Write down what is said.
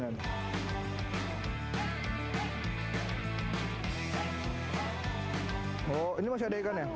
oh ini masih ada ikannya